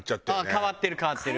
変わってる変わってる。